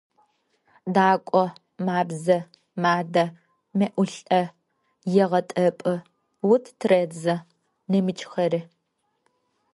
«Дакӏо» – мабзэ, мадэ, мэӏулӏэ, егъэтӏэпӏы, ут тыредзэ, нэмыкӏхэри.